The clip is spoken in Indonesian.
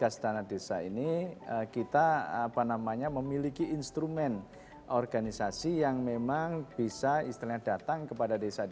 sistem keuangan desa